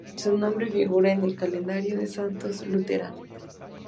Su nombre figura en el Calendario de Santos Luterano.